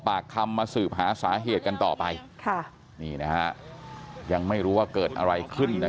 ปากคำมาสืบหาสาเหตุกันต่อไปยังไม่รู้ว่าเกิดอะไรขึ้น